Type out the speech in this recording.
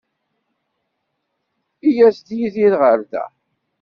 I yas-d Yidir ɣer da?